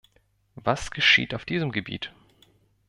Was geschieht auf diesem Gebiet?